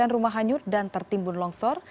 sembilan rumah hanyut dan tertimbun longsor